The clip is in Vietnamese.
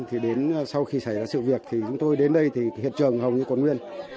thì đến sau khi xảy ra sự việc thì chúng tôi đến đây thì hiện trường hầu như còn nguyên